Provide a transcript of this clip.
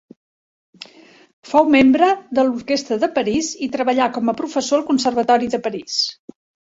Fou membre de l'Orquestra de París i treballà com a professor al Conservatori de París.